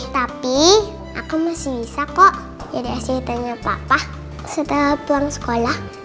tapi aku masih bisa kok jadi asistennya papa setelah pulang sekolah